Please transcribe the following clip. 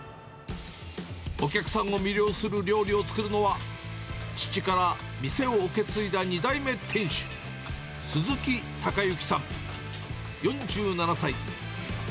お客さんを魅了する料理を作るのは、父から店を受け継いだ２代目店主、鈴木貴之さん４７歳。